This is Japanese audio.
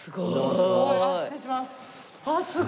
失礼します。